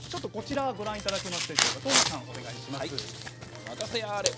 お任せあれ。